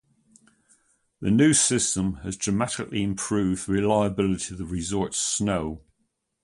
The new system has dramatically improved the reliability of the resort's snow.